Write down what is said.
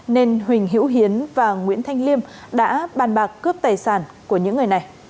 nên huỳnh hữu hiến và nguyễn thanh liêm đã bàn bạc cướp tài sản của những người này